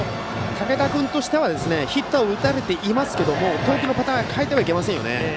竹田君としてはヒットは打たれていますが投球のパターンは変えてはいけませんよね。